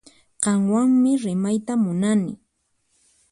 Qanwanmi rimayta munani